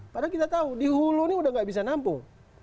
padahal kita tahu di hulu ini udah nggak bisa nampung